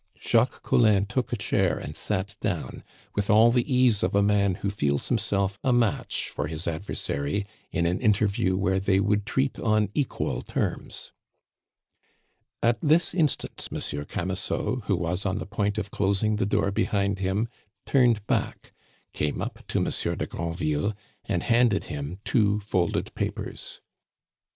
Jacques Collin took a chair and sat down, with all the ease of a man who feels himself a match for his adversary in an interview where they would treat on equal terms. At this instant Monsieur Camusot, who was on the point of closing the door behind him, turned back, came up to Monsieur de Granville, and handed him two folded papers.